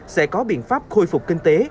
sẽ có biện pháp khôi phục kinh tế